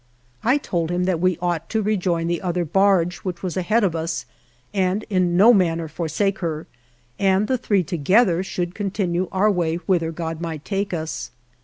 I told him that we ought to re join the other barge, which was ahead of us, and in no manner forsake her, and the three together should continue our way whither God might take us.